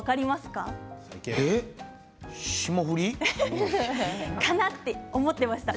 かなと思ってました。